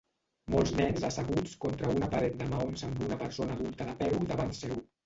Molts nens asseguts contra una paret de maons amb una persona adulta de peu davant seu.